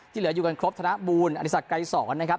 ที่เหลืออยู่กันครบธนบูรณ์อธิสัตว์ไกรศรนะครับ